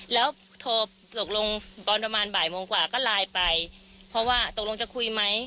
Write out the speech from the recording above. แล้วโทรตกลงตอนประมาณบ่ายโมงกว่าก็ไลน์ไปเพราะว่าตกลงจะคุยไหม